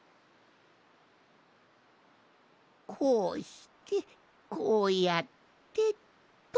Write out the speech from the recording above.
こうしてこうやってっと。